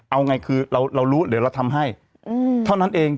เอาไงคือเรารู้เดี๋ยวเราทำให้เท่านั้นเอง